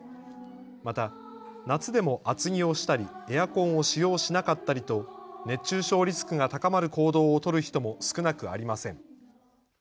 また、夏でも厚着をしたりエアコンを使用しなかったりと熱中症リスクが高まる行動を取る人も少なくありません。